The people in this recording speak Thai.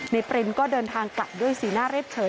ปรินก็เดินทางกลับด้วยสีหน้าเรียบเฉย